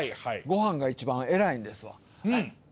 ご飯が一番偉いんですわ。